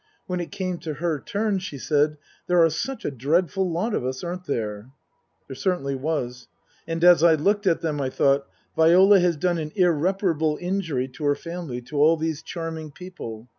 When it came to her turn, she said :" There are such a dreadful lot of us, aren't there ?" There certainly was. And as I looked at them I thought : Viola has done an irreparable injury to her family, to all these charming people.